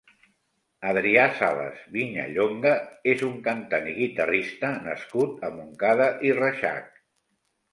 Adrià Salas Viñallonga és un cantant i guitarrista nascut a Montcada i Reixac.